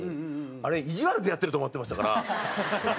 あれ意地悪でやってると思ってましたから。